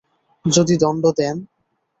যদি দণ্ড দেন?